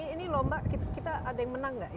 ini lomba kita ada yang menang nggak